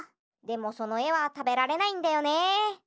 でもそのえはたべられないんだよね。